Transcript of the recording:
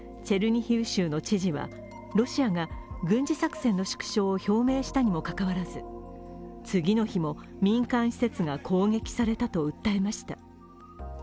チェルニヒフ州の知事はロシアが軍事作戦の縮小を表明したにもかかわらず、次の日も民間施設が攻撃されたと訴えました。